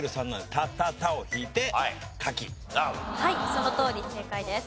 そのとおり正解です。